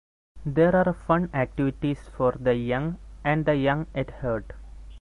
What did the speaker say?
There are fun activities for the young and the young at heart.